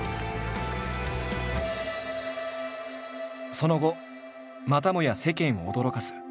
その後またもや世間を驚かす。